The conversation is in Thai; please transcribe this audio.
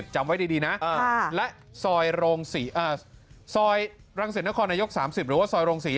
จำไว้ดีนะและซอยรงศรีซอยรังศิลป์นครนายก๓๐หรือว่าซอยรงศรี